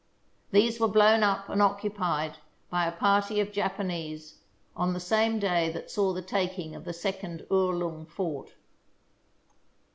These were blown up and occupied by a party of Japanese on the same day that saw the taking of the second Uhrlung fort.